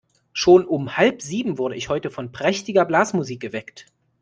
Schon um halb sieben wurde ich heute von prächtiger Blasmusik geweckt.